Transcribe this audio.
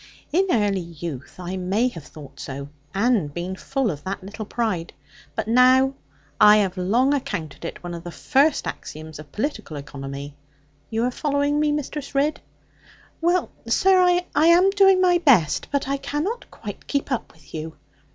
In early youth, I may have thought so, and been full of that little pride. But now I have long accounted it one of the first axioms of political economy you are following me, Mistress Ridd?' 'Well, sir, I am doing my best; but I cannot quite keep up with you.'